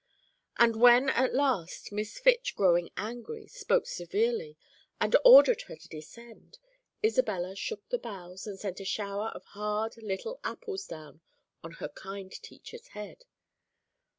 And when, at last, Miss Fitch, growing angry, spoke severely and ordered her to descend, Isabella shook the boughs, and sent a shower of hard little apples down on her kind teacher's head.